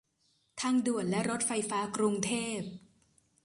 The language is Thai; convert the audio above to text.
ทางด่วนและรถไฟฟ้ากรุงเทพ